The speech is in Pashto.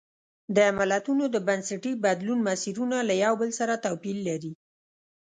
د ملتونو د بنسټي بدلون مسیرونه له یو بل سره توپیر لري.